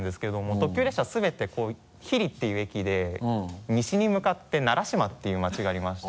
特急列車全て日利っていう駅で西に向かって島っていう町がありまして。